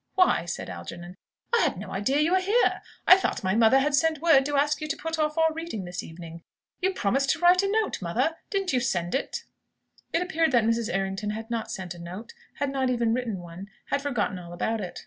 "Why," said Algernon, "I had no idea you were here! I thought my mother had sent word to ask you to put off our reading this evening. You promised to write a note, mother. Didn't you send it?" It appeared that Mrs. Errington had not sent a note, had not even written one, had forgotten all about it.